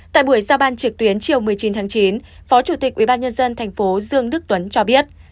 tại buổi giao ban trực tuyến chiều một mươi chín tháng chín phó chủ tịch ubnd tp dương đức tuấn cho biết